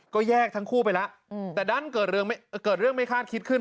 ก็แยกทั้งคู่ไปแล้วแต่ดันเกิดเรื่องไม่คาดคิดขึ้น